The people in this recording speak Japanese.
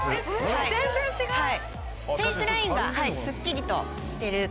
・全然違う・フェースラインがすっきりとしてるのが。